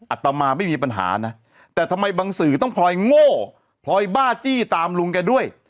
อัตมาไม่มีปัญหานะแต่ทำไมบางสื่อต้องพลอยโง่พลอยบ้าจี้ตามลุงแกด้วย